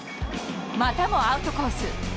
またもアウトコース。